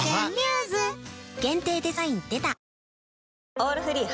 「オールフリー」